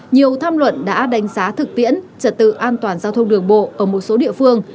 nhiều tham luận đã đánh giá thực tiễn trật tự an toàn giao thông đường bộ ở một số địa phương